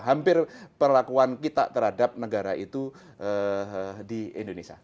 hampir perlakuan kita terhadap negara itu di indonesia